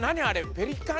ペリカン？